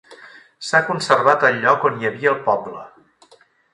S'ha conservat el lloc on hi havia el poble.